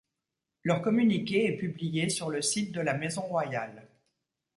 Leur communiqué est publié sur le site de la Maison royale.